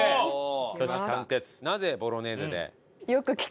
なぜボロネーゼで？